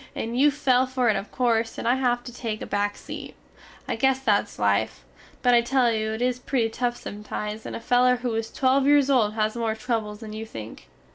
and you fall fer it of corse, and I have to take a back seat. I guess that is life, but I tell you it is pretty tuf sometimes and a feler who is twelve yeres old has more trubbles than you think.